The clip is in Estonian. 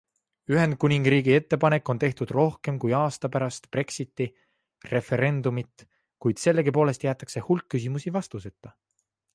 Ühendkuningriigi ettepanek on tehtud rohkem kui aasta pärast Brexiti referendumit, kuid sellegipoolest jäetakse hulk küsimusi vastuseta.